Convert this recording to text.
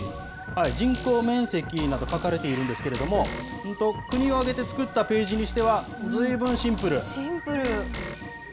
人口、面積など書かれているんですけれども、国を挙げて作ったペシンプル。